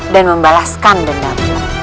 dan membalaskan dendam